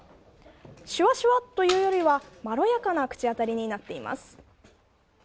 しゅわしゅわというよりはまろやかな口当たりになっています。